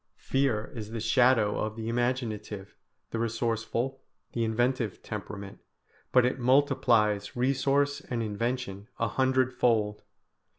Fear is the shadow of the imaginative, the resourceful, the inventive temperament, but it multiplies resource and invention a hundredfold.